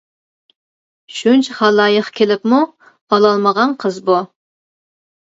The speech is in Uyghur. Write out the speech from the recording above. شۇنچە خالايىق كېلىپمۇ، ئالالمىغان قىز بۇ.